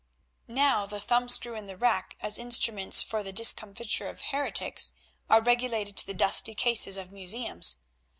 Now the thumbscrew and the rack as instruments for the discomfiture of heretics are relegated to the dusty cases of museums.